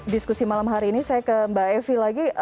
diskusi malam hari ini saya ke mbak evi lagi